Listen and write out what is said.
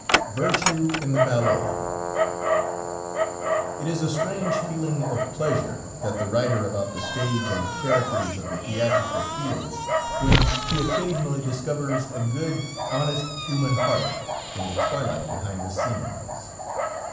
VIRTUE IN THE BALLET It is a strange feeling of pleasure that the writer about the stage and the characters of the theatrical feels, when he occasionally discovers a good, honest human heart in the twilight behind the scenes.